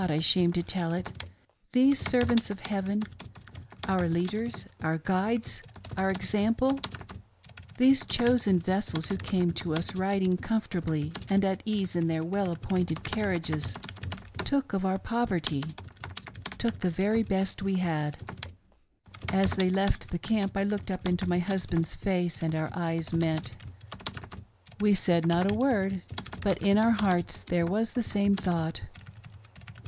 I shame to tell it ; these servants of Heaven — our leaders, our guides, our example — these chosen vessels who came to us, riding comfortably and at ease in their well appointed car riages, took of our poverty — took the very best we had ! "As they left the camp, I looked up into my husband's face and our eyes met. We said not a word, but in our hearts there was the same thought.